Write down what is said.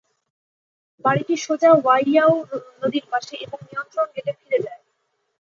বাড়িটি সোজা ওয়াইয়াউ নদীর পাশে এবং নিয়ন্ত্রণ গেটে ফিরে যায়।